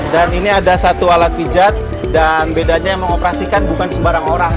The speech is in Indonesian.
dan ini ada satu alat pijat dan bedanya mengoperasikan bukan sembarang orang